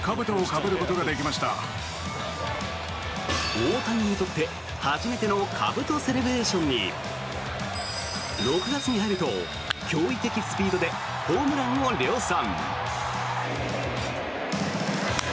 大谷にとって初めてのかぶとセレブレーションに６月に入ると驚異的なスピードでホームランを量産。